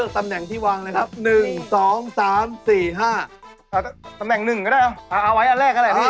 ตำแหน่งหนึ่งก็ได้เอาไว้อันแรกก็ได้